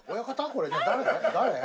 これ誰？